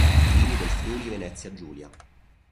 Vini del Friuli-Venezia Giulia